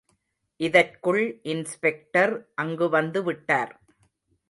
இதற்குள் இன்ஸ்பெக்டர் அங்கு வந்து விட்டார்.